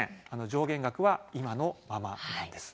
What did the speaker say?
上限額は今のままです。